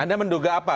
anda menduga apa